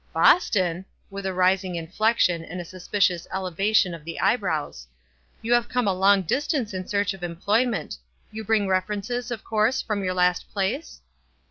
"Boston!" with the rising inflection, and a suspicious elevation of the eyebrows. "You have come a long distance in search of employ ment. You bring references, of course, from your last place